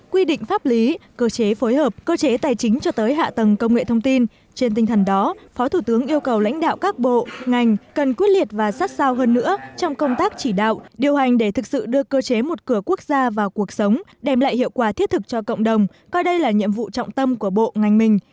quy định pháp lý cơ chế phối hợp cơ chế tài chính cho tới hạ tầng công nghệ thông tin trên tinh thần đó phó thủ tướng yêu cầu lãnh đạo các bộ ngành cần quyết liệt và sát sao hơn nữa trong công tác chỉ đạo điều hành để thực sự đưa cơ chế một cửa quốc gia vào cuộc sống đem lại hiệu quả thiết thực cho cộng đồng coi đây là nhiệm vụ trọng tâm của bộ ngành mình